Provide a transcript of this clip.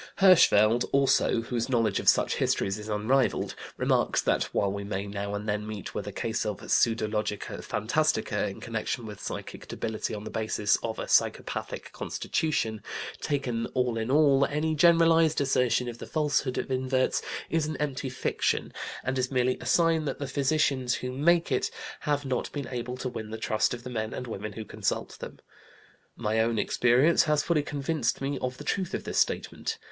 Hirschfeld, also (Die Homosexualität, p. 164), whose knowledge of such histories is unrivalled, remarks that while we may now and then meet with a case of pseudo logia fantastica in connection with psychic debility on the basis of a psychopathic constitution, "taken all in all any generalized assertion of the falsehood of inverts is an empty fiction, and is merely a sign that the physicians who make it have not been able to win the trust of the men and women who consult them." My own experience has fully convinced me of the truth of this, statement.